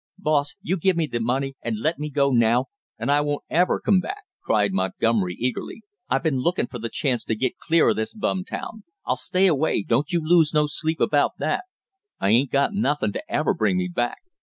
"Boss, you give me the money and let me go now, and I won't ever come back!" cried Montgomery eagerly. "I been lookin' for the chance to get clear of this bum town! I'll stay away, don't you lose no sleep about that; I ain't got nothin' to ever bring me back."